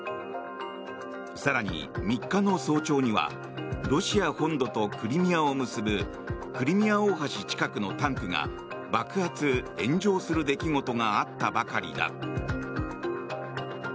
更に、３日の早朝にはロシア本土とクリミアを結ぶクリミア大橋近くのタンクが爆発・炎上する出来事があったばかりだ。